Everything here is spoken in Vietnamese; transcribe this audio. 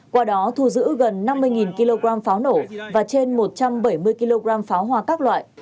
qua đó thu giữ gần năm mươi kg pháo nổ và trên một trăm bảy mươi kg pháo hoa các loại